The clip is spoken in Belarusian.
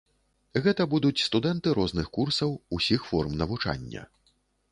Гэта будуць студэнты розных курсаў, усіх форм навучання.